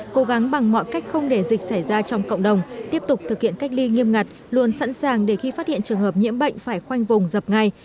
cố gắng bằng mọi cách không để dịch xảy ra trong cộng đồng tiếp tục thực hiện cách ly nghiêm ngặt luôn sẵn sàng để khi phát hiện trường hợp nhiễm bệnh phải khoanh vùng dập ngay